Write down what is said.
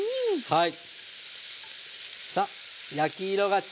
はい。